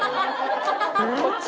こっち。